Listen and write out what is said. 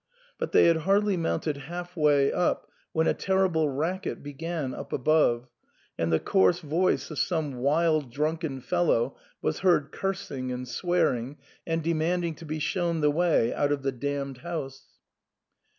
But they had hardly mounted half way up when a terrible racket began up above, and the coarse voice of some wild drunken fellow was heard cursing and swearing, and demanding to be shown the way out of the damned house.